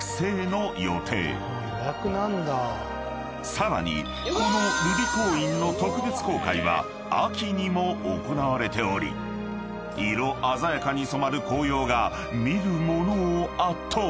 ［さらにこの瑠璃光院の特別公開は秋にも行われており色鮮やかに染まる紅葉が見る者を圧倒！］